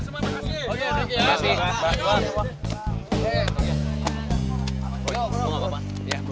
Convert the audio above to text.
semua gak apa apa